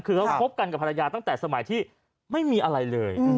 คือเขาคบกันกับภรรยาตั้งแต่สมัยที่ไม่มีอะไรเลย